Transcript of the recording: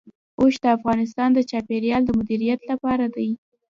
اوښ د افغانستان د چاپیریال د مدیریت لپاره دی.